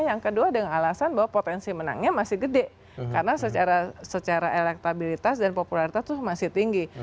yang kedua dengan alasan bahwa potensi menangnya masih gede karena secara elektabilitas dan popularitas itu masih tinggi